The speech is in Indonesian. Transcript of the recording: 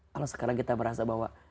kalau sekarang kita merasa bahwa